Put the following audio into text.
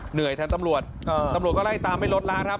เหนื่อยแทนตำรวจตำรวจก็ไล่ตามไม่ลดละครับ